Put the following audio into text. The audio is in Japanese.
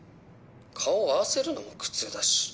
顔、合わせるのも苦痛だし。